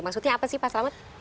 maksudnya apa sih pak selamat